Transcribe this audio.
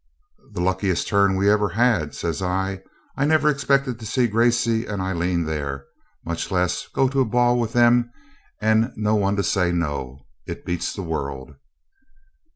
'The luckiest turn we've ever had,' says I. 'I never expected to see Gracey and Aileen there, much less to go to a ball with them and no one to say no. It beats the world.'